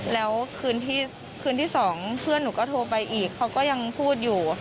แล้วคืนที่๒เพื่อนหนูก็โทรไปอีกเขาก็ยังพูดอยู่